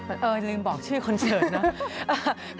เออลืมบอกชื่อคอนเสิร์ตเนอะ